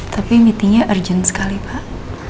tapi meetingnya urgent sekali pak